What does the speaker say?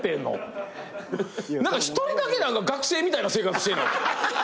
何か１人だけ学生みたいな生活してない？